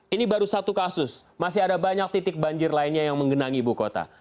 ini baru satu kasus masih ada banyak titik banjir lainnya yang menggenangi ibu kota